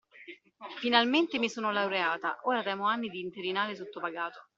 Finalmente mi sono laureata, ora temo anni di interinale sottopagato.